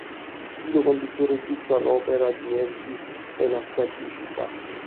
Il filo conduttore di tutta l'opera di Nervi è la staticità.